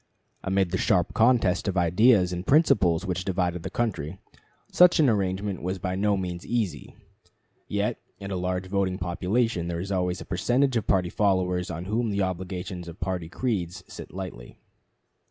Amid the sharp contest of ideas and principles which divided the country, such an arrangement was by no means easy; yet in a large voting population there is always a percentage of party followers on whom the obligations of party creeds sit lightly.